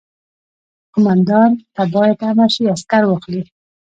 قوماندان ته باید امر شي عسکر واخلي.